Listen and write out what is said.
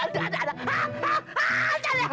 aduh ada ada